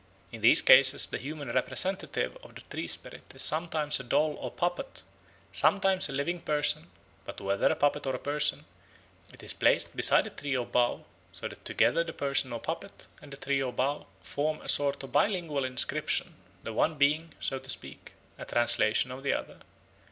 In these cases the human representative of the tree spirit is sometimes a doll or puppet, sometimes a living person, but whether a puppet or a person, it is placed beside a tree or bough; so that together the person or puppet, and the tree or bough, form a sort of bilingual inscription, the one being, so to speak, a translation of the other.